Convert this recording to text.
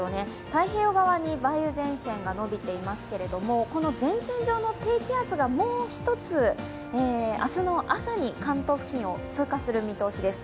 太平洋側に梅雨前線が伸びていますけれどもこの前線上の低気圧がもう一つ明日希空さに関東付近を通過する見通しです。